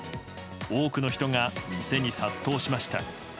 多くの人が店に殺到しました。